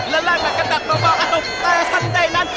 และแรกมันกระดับเบาเอ้าแต่ท่านใดนั้น